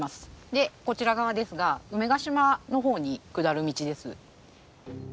でこちら側ですが梅ヶ島の方に下る道です。